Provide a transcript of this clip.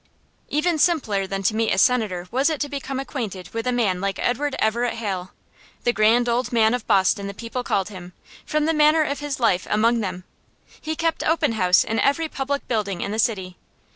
Even simpler than to meet a Senator was it to become acquainted with a man like Edward Everett Hale. "The Grand Old Man of Boston," the people called him, from the manner of his life among them. He kept open house in every public building in the city.